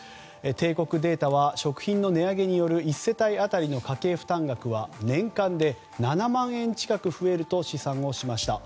帝国データは食品の値上げによる１世帯当たりの家計負担額は年間で７万円近く増えると試算をしました。